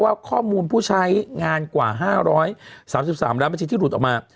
ว่าข้อมูลผู้ใช้งานกว่า๕๓๓ล้านบัญชีที่หลุดออกมา